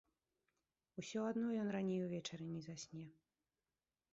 Усё адно ён раней увечары не засне.